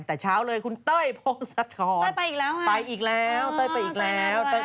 แต่เช้าเลยคุณเต้ยพบสัดทรไปอีกแล้วไปอีกแล้ว